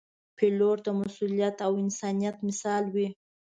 پیلوټ د مسؤلیت او انسانیت مثال وي.